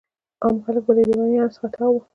عام خلک به له لیونیانو څخه تاو وو.